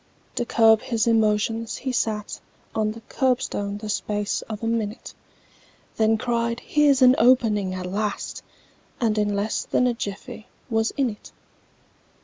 To curb his emotions, he sat On the curbstone the space of a minute, Then cried, "Here's an opening at last!" And in less than a jiffy was in it!